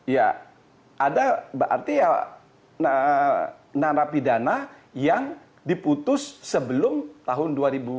ya ada berarti narapi dana yang diputus sebelum tahun dua ribu delapan